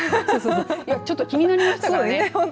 ちょっと気になりましたからね。